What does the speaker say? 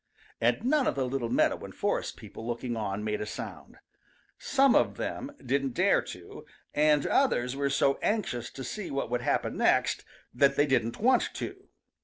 And none of the little meadow and forest people looking on made a sound. Some of them didn't dare to, and others were so anxious to see what would happen next that they didn't want to.